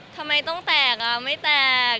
ทำไมต้องแตกอ่ะไม่แตก